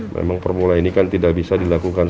memang permula ini kan tidak bisa dilakukan